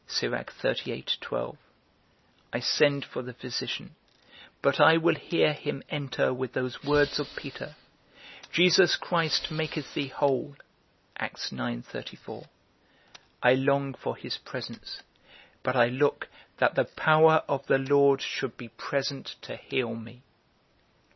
I send for the physician, but I will hear him enter with those words of Peter, Jesus Christ maketh thee whole; I long for his presence, but I look that the power of the Lord should be present to heal me.